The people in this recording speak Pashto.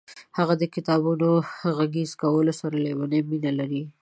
هغه د کتابونو غږیز کولو سره لیونۍ مینه لري.